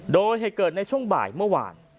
โดยเหตุเกิดในช่วงบ่ายเมื่อวาน